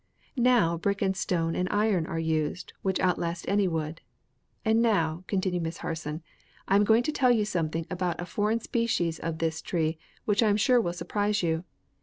Now brick and stone and iron are used, which outlast any wood. And now," continued Miss Harson, "I am going to tell you something about a foreign species of this tree which I am sure will surprise you.